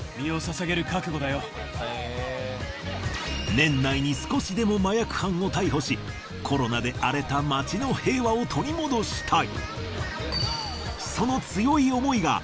年内に少しでも麻薬犯を逮捕しコロナで荒れた街の平和を取り戻したい。